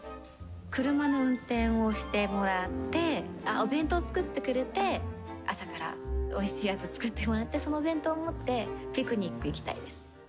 車の運転をしてもらって、あっ、お弁当作ってくれて、朝からおいしいやつ作ってもらって、そのお弁当を持って、ピクニック行きたいです。